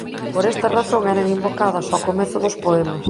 Por esta razón eran invocadas ó comezo dos poemas.